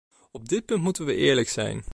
Op dit punt moeten we eerlijk zijn.